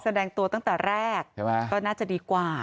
แสดงตัวตั้งแต่แรกใช่ไหมก็น่าจะดีกว่า